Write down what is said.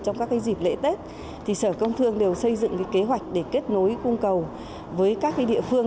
trong các dịp lễ tết thì sở công thương đều xây dựng kế hoạch để kết nối cung cầu với các địa phương